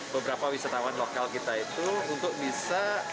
beberapa wisatawan lokal kita itu untuk bisa